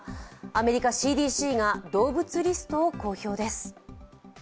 アメリカ・ＣＤＣが動物リストを公表です。